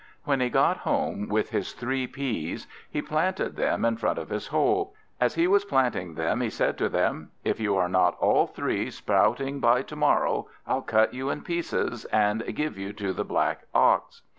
When he got home with his three peas he planted them in front of his hole. As he was planting them he said to them, "If you are not all three sprouting by to morrow I'll cut you in pieces and give you to the black Ox."